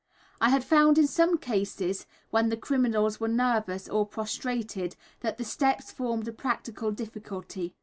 I had found in some cases, when the criminals were nervous or prostrated, that the steps formed a practical difficulty.